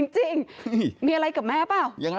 จริงมีอะไรกับแม่เปล่า